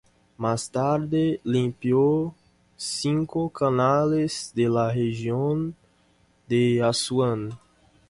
Más tarde, limpió cinco canales de la región de Asuán.